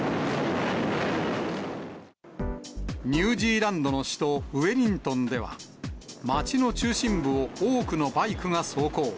ニュージーランドの首都ウェリントンでは、街の中心部に多くのバイクが走行。